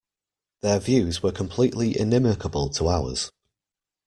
Their views were completely inimicable to ours.